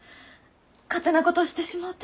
勝手なことしてしもうて。